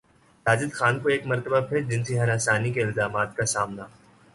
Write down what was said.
ساجد خان کو ایک مرتبہ پھر جنسی ہراسانی کے الزامات کا سامنا